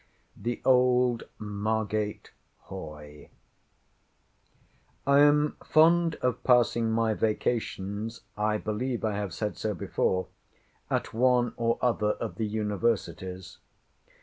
THE OLD MARGATE HOY I am fond of passing my vacations (I believe I have said so before) at one or other of the Universities.